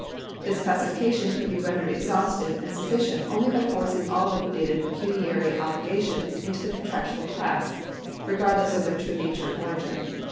This classification could be rendered exhaustive and sufficient only by forcing all liquidated pecuniary obligations into the contractual class, regardless of their true nature and origin.